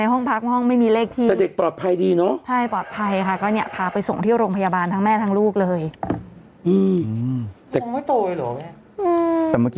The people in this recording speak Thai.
แต่เด็กปลอดภัยดีเนอะ